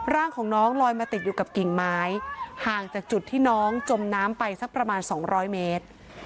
ร่างของน้องลอยมาติดอยู่กับกิ่งไม้ห่างจากจุดที่น้องจมน้ำไปสักประมาณ๒๐๐เมตร